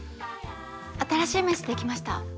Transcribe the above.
新しい名刺できました。